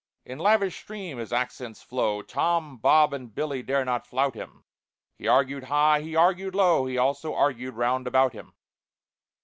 In lavish stream his accents flow, TOM, BOB, and BILLY dare not flout him; He argued high, he argued low, He also argued round about him.